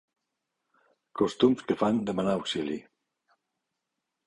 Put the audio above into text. Costums que fan demanar auxili.